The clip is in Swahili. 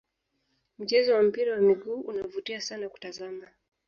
mchezo wa mpira wa miguu unavutia sana kutazama